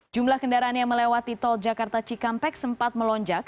jumlah kendaraan yang melewati tol jakarta cikampek sempat melonjak